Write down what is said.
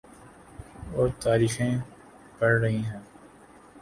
اورتاریخیں پڑ رہی ہیں۔